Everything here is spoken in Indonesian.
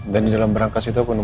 dan di dalam berankas itu aku nemu